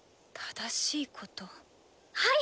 はい。